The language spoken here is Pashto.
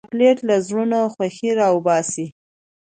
چاکلېټ له زړونو خوښي راوباسي.